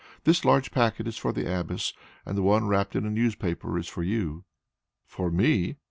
This large packet is for the abbess, and the one wrapped up in a newspaper is for you." "For me?"